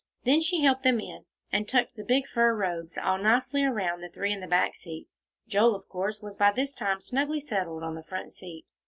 Then she helped them in, and tucked the big fur robes all nicely around the three on the back seat. Joel, of course, was by this time snugly settled on the front seat.